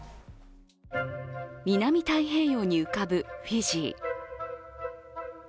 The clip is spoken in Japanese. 南太平洋に浮かぶフィジー。